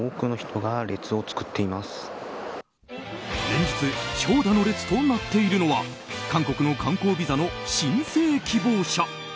連日長蛇の列となっているのは韓国の観光ビザの申請希望者。